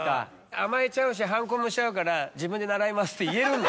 甘えちゃうし反抗もしちゃうから自分で習いますって言えるんだ。